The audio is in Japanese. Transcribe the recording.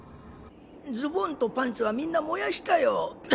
ズボンとパンツはみんな燃やしたよ。